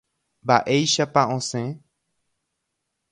Mba'éichapa osẽ.